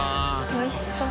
おいしそう。